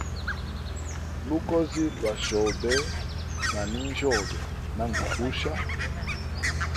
Lugozi lwa chobe na ninjyobe, nangu kusha.